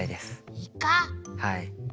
はい。